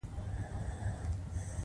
ایا ستاسو میوې به خوږې وي؟